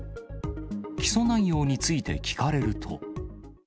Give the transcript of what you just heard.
起訴内容について聞かれると。